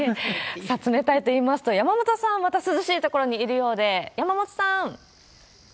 さあ、冷たいといいますと、山本さん、また涼しい所にいるようで、山本さん。